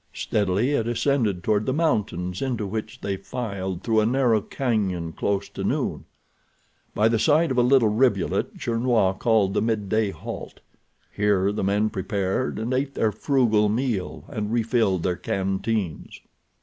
Steadily it ascended toward the mountains, into which they filed through a narrow cañon close to noon. By the side of a little rivulet Gernois called the midday halt. Here the men prepared and ate their frugal meal, and refilled their canteens.